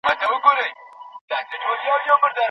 که موږ هڅه ونه کړو څوک به يې کوي؟